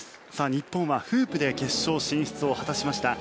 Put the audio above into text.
日本はフープで決勝進出を果たしました。